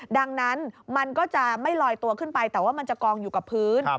ดังนั้นมันก็จะไม่ลอยตัวขึ้นไปแต่ว่ามันจะกองอยู่กับพื้น